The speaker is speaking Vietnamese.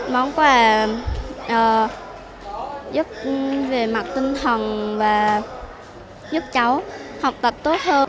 món quà giúp về mặt tinh thần và giúp cháu học tập tốt hơn